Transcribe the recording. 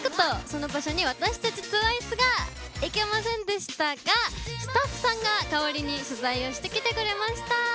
その場所に私たちＴＷＩＣＥが行けませんでしたがスタッフさんが代わりに取材をしてきてくれました。